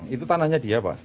itu tanahnya dia pak